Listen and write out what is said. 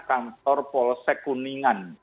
kantor polsek kuningan